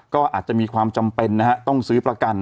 ก็อาจจะมีความจำเป็นนะฮะต้องซื้อประกัน